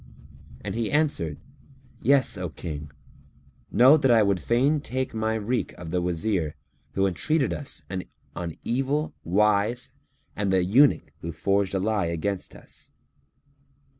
and he answered, "Yes, O King, know that I would fain take my wreak of the Wazir who entreated us on evil wise and the eunuch who forged a lie against us."